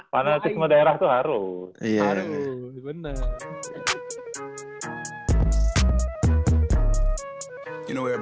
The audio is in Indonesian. panas semua daerah tuh harus